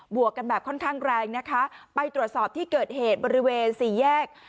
วกกันแบบค่อนข้างแรงนะคะไปตรวจสอบที่เกิดเหตุบริเวณสี่แยก